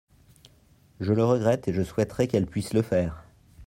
Je le regrette et je souhaiterais qu’elle puisse le faire.